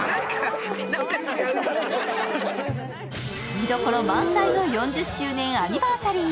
見どころ満載の４０周年アニバーサリー。